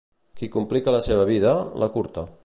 Qui complica la seva vida, l'acurta.